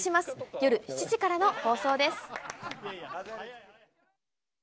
夜７時からの放送です。